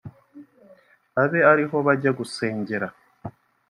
abe ariho bajya gusengera